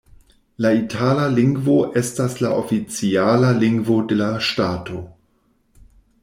La itala lingvo estas la oficiala lingvo de la ŝtato.